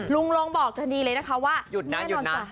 ลุงลงบอกทีนี้เลยนะคะว่าหยุดนะหยุดนะ